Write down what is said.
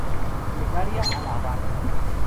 Plegaria a La Habana.